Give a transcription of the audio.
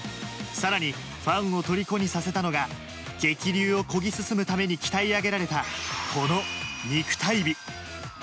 さらに、ファンをとりこにさせたのが、激流をこぎ進むために鍛え上げられた、この肉体美。